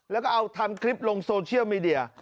แล้วก็เอาทำคลิปลงโซเชียลมีเดีย